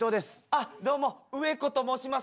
あっどうもウエコと申します。